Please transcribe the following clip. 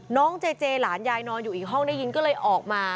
เจเจหลานยายนอนอยู่อีกห้องได้ยินก็เลยออกมา